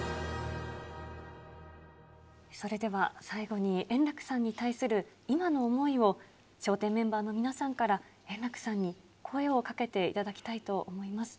それでは、最後に、円楽さんに対する今の思いを、笑点メンバーの皆さんから円楽さんに声をかけていただきたいと思います。